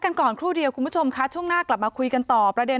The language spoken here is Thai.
กันก่อนครู่เดียวคุณผู้ชมค่ะช่วงหน้ากลับมาคุยกันต่อประเด็น